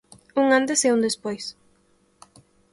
Un antes e un despois.